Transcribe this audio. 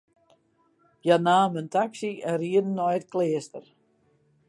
Hja namen in taksy en rieden nei it kleaster.